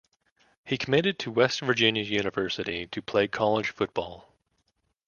He committed to West Virginia University to play college football.